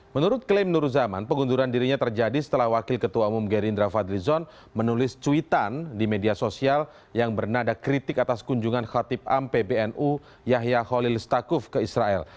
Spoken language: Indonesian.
menurut klaim nur zaman pengunduran dirinya terjadi setelah wakil ketua umum gerindra fadlizon menulis cuitan di media sosial yang bernada kritik atas kunjungan khatib am pbnu yahya khalilistakuf ke israel